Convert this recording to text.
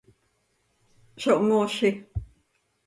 ¡Zo mhoozi!